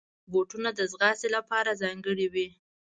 بوټونه د ځغاستې لپاره ځانګړي وي.